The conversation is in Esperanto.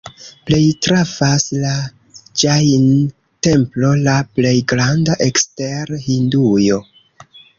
Plej trafas la Ĵain-templo, la plej granda ekster Hindujo.